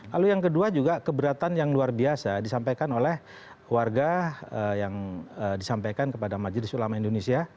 lalu yang kedua juga keberatan yang luar biasa disampaikan oleh warga yang disampaikan kepada majelis ulama indonesia